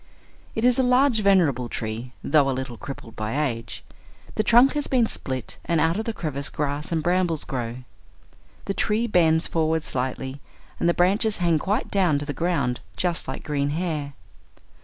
It is a large venerable tree, though a little crippled by age. The trunk has been split, and out of the crevice grass and brambles grow. The tree bends for ward slightly, and the branches hang quite down to the ground just like green hair.